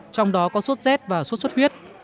trong đó có suốt z và suốt suốt huyết